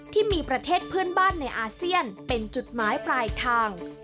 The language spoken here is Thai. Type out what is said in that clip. ที่มีประเทศเพื่อนบ้านในอาเซียนเป็นจุดหมายปลายทาง